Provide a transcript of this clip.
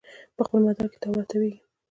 په خپل مدار کې تاو راتاویږي